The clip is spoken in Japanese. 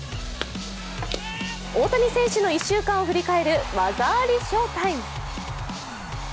大谷選手の１週間を振り返る技あり翔タイム。